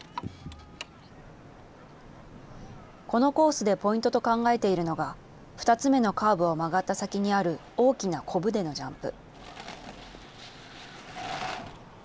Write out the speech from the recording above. このコースでポイントと考えているのが、２つ目のカーブを曲がった先にある大きなこぶでのジャンプ。